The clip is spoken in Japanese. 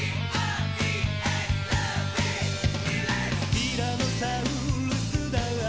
「ティラノサウルスだって」